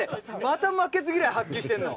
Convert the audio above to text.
また負けず嫌い発揮してるの？